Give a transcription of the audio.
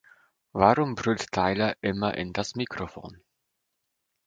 Warum brüllt Tyler immer in das Mikrophon?